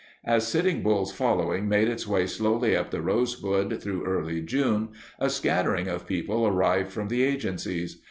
As Sitting Bull's following made its way slowly up the Rosebud through early June, a scattering of people arrived from the agencies.